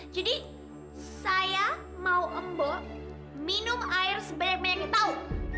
jadi saya mau mbok minum air sebanyak yang dia tahu